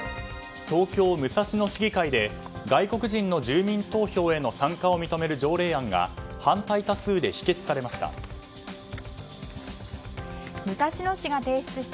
東京・武蔵野市議会で外国人の住民投票への参加を認める条例案が反対多数で否決されました。